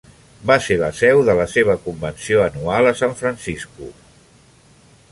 Va ser la seu de la seva convenció anual a San Francisco.